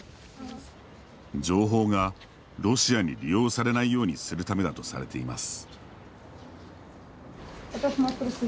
情報がロシアに利用されないようにするためだとされています。